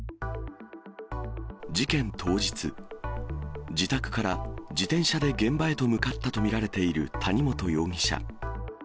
事件当日、自宅から自転車で現場へと向かったと見られている谷本容疑者。